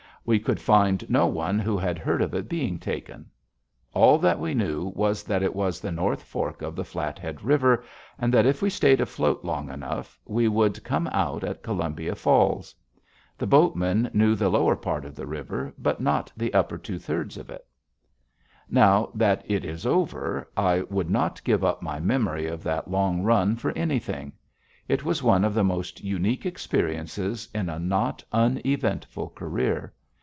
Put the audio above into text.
We could find no one who had heard of it being taken. All that we knew was that it was the North Fork of the Flathead River, and that if we stayed afloat long enough, we would come out at Columbia Falls. The boatmen knew the lower part of the river, but not the upper two thirds of it. [Illustration: Still water fishing] Now that it is over, I would not give up my memory of that long run for anything. It was one of the most unique experiences in a not uneventful career.